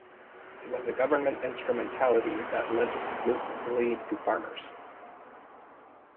It was a government instrumentality that lent exclusively to farmers.